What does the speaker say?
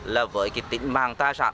là với tịnh bằng tài sản